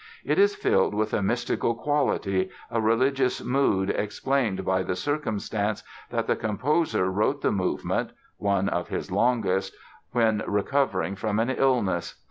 It is filled with a mystical quality, a religious mood explained by the circumstance that the composer wrote the movement (one of his longest) when recovering from an illness.